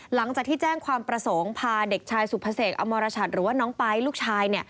หลังจากที่แจ้งความประสงค์พาเด็กชายสุภเสกอมรชัดหรือว่าน้องไป๊ลูกชาย